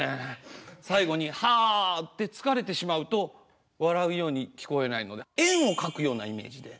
最後に「はー」って疲れてしまうと笑うように聞こえないので円を描くようなイメージで。